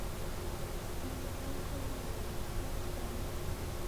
Momu ghwako ghonivikia kiramka